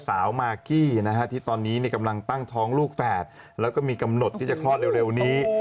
มากกี้นะฮะที่ตอนนี้กำลังตั้งท้องลูกแฝดแล้วก็มีกำหนดที่จะคลอดเร็วนี้